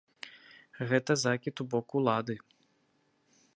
Гэта закід у бок улады.